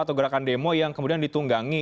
atau gerakan demo yang kemudian ditunggangi